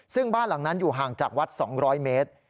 ซึ่งบ้านหลังนั้นอยู่ห่างจากวัด๒๐๐เมตร